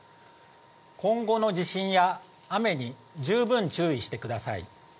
今後の地震や雨に十分注意してください。